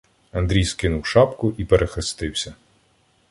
Андрій скинув шапку і перехрестився.